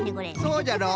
そうじゃろ？